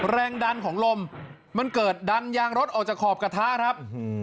แรงดันของลมมันเกิดดันยางรถออกจากขอบกระทะครับ